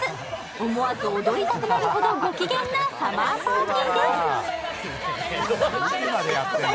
思わず踊りたくなるほどご機嫌なサマーパーティーです。